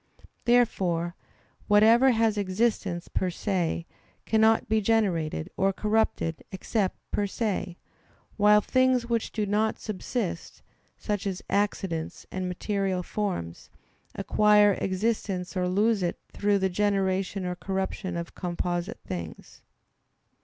Therefore, whatever has existence per se cannot be generated or corrupted except "per se"; while things which do not subsist, such as accidents and material forms, acquire existence or lose it through the generation or corruption of composite things.